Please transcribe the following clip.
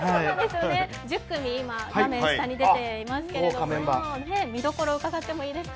１０組今、画面下に出ていますけれども見どころ、伺ってもいいですか？